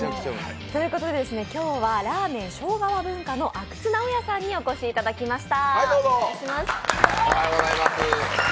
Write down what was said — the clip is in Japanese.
今日はらぁめん生姜は文化の阿久津直也さんにお越しいただきました。